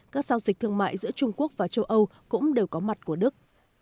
các giao dịch thương mại giữa trung quốc và châu âu cũng đều có mặt của đức